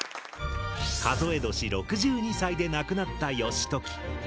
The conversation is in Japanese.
数え年６２歳で亡くなった義時。